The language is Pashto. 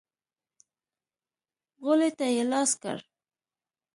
غولي ته يې لاس کړ.